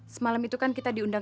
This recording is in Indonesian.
semalam itu kan kita diundang